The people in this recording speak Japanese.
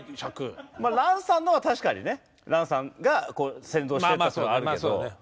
まあ蘭さんのは確かにね。蘭さんが先導してったっていうのはあるけど。